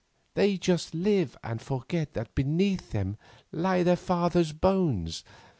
They just live and forget that beneath them lie their fathers' bones.